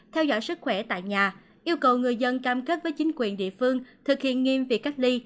theo dõi sức khỏe tại nhà yêu cầu người dân cam kết với chính quyền địa phương thực hiện nghiêm việc cách ly